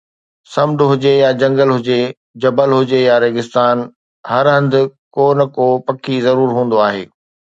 سمنڊ هجي يا جنگل هجي، جبل هجي يا ريگستان، هر هنڌ ڪو نه ڪو پکي ضرور هوندو آهي.